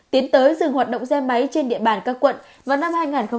tiến tới dừng hoạt động xe máy trên địa bàn các quận vào năm hai nghìn hai mươi